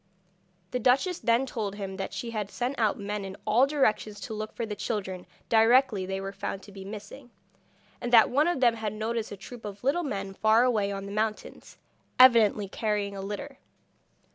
The duchess then told him that she had sent out men in all directions to look for the children directly they were found to be missing, and that one of them had noticed a troop of little men far away on the mountains, evidently carrying a litter.